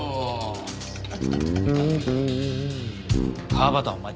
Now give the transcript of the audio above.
川端お前